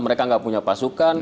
mereka nggak punya pasukan